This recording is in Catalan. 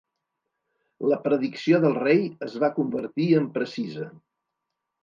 La predicció del rei es va convertir en precisa.